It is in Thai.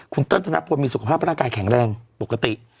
คุณตั้นจะนับว่ามีสุขภาพหลายกายแข็งแรงปกติ